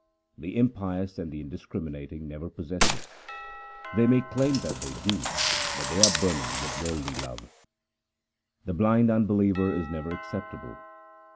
The impious and the indiscriminating never possess it. They may claim that they do, but they are burning with worldly love. The blind unbeliever is never acceptable.